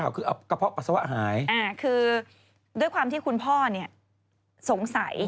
คือด้วยความที่คุณพ่อสงสัย